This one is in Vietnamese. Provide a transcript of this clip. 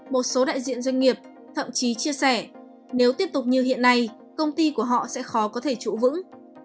một số đại diện doanh nghiệp thậm chí chia sẻ nếu tiếp tục như hiện nay công ty của họ sẽ khó có thể trụ vững